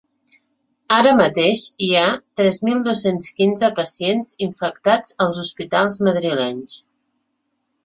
Ara mateix, hi ha tres mil dos-cents quinze pacients infectats als hospitals madrilenys.